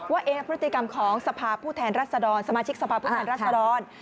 ว่าเอกพฤติกรรมของสมาชิกสภาพผู้แทนรัฐสดร